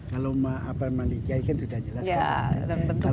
kalau mbak malikya itu sudah jelas kan